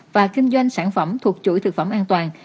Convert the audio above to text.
và kinh doanh sản phẩm thuộc chuỗi thực phẩm an toàn